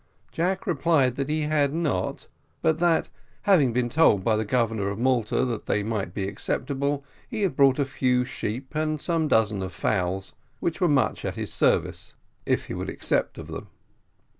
Jack replied that he had not; but that having been told by the Governor of Malta that they might be acceptable, he had bought a few sheep and some dozen of fowls, which were much at his service, if he would accept of them.